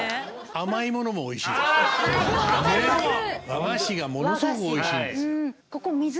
和菓子がものすごくおいしいんです。